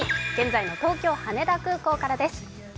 現在の東京・羽田空港からです。